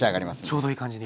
ちょうどいい感じに。